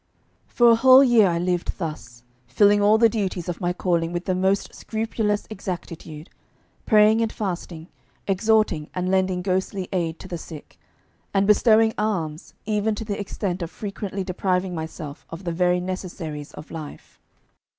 For a whole year I lived thus, filling all the duties of my calling with the most scrupulous exactitude, praying and fasting, exhorting and lending ghostly aid to the sick, and bestowing alms even to the extent of frequently depriving myself of the very necessaries of life.